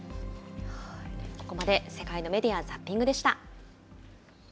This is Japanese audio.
ここまで世界のメディア・ザッピングでした。